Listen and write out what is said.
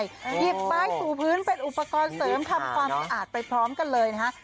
หยิบไม้สู่พื้นเป็นอุปกรณ์เสริมทำความสะอาดไปพร้อมกันเลยนะฮะ